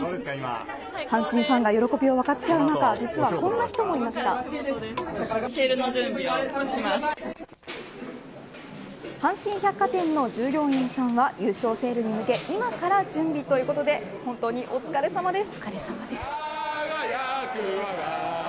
阪神ファンが喜びを分かち合う中阪神百貨店の従業員さんは優勝セールに向け今から準備ということで本当にお疲れさまです。